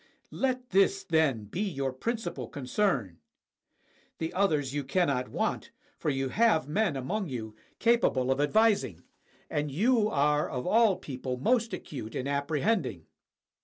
Let this, then, be your principal concern ; the others you cannot want, for you have men among you capable of advising, and you 185 GREECE are of all people most acute in apprehending.